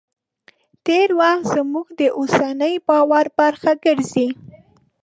تېر وخت زموږ د اوسني باور برخه ګرځي.